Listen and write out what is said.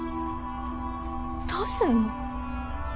どうすんの？